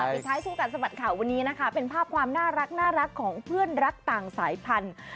สุดท้ายช่วงกัดสะบัดข่าววันนี้นะคะเป็นภาพความน่ารักของเพื่อนรักต่างสายพันธุ์